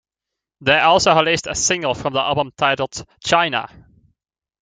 They also released a single from the album titled "China".